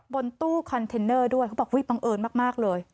บนตู้คอนเทนเนอร์ด้วยเขาบอกบังเอิญมากเลย